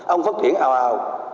ông phát triển ao ao